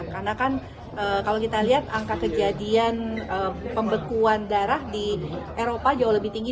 karena kan kalau kita lihat angka kejadian pembekuan darah di eropa jauh lebih tinggi